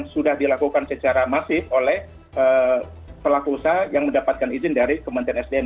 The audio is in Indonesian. sudah dilakukan secara masif oleh pelaku usaha yang mendapatkan izin dari kementerian sdm